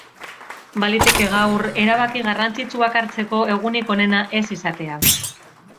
Baliteke gaur erabaki garrantzitsuak hartzeko egunik onena ez izatea.